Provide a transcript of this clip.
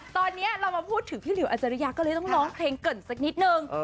ตอนนี้เรามาพูดถึงพี่หลิวอาจารยาก็เลยต้องร้องเพลงเกริ่นสักนิดนึง